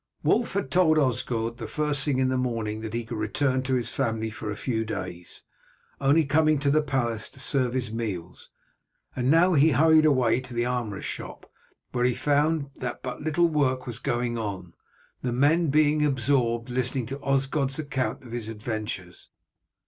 Wulf had told Osgod the first thing in the morning that he could return to his family for a few days, only coming to the palace to serve his meals, and he now hurried away to the armourer's shop, where he found that but little work was going on, the men being absorbed in listening to Osgod's account of his adventures.